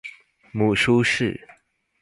母舒氏。